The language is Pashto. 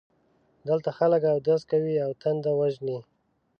دلته خلک اودس کوي او تنده وژني.